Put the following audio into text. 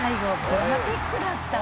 ドラマチックだった。